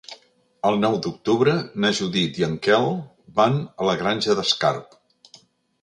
El nou d'octubre na Judit i en Quel van a la Granja d'Escarp.